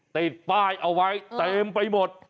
ติดป้ายเอาไว้เต็มไปหมด